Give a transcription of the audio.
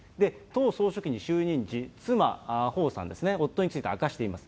党総書記に就任時、妻、彭さんですね、夫について明かしています。